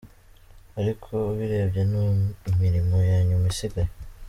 Ariko ubirebye ni imirimo ya nyuma isigaye”.